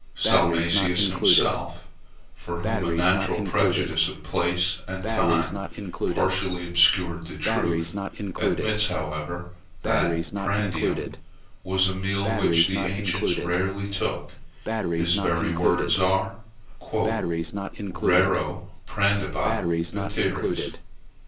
Salmasius himself, for whom a natural prejudice of place and time partially obscured the truth, admits, however, that prandium was a meal which the ancients rarely took; his very words are "raro prandebant veteres."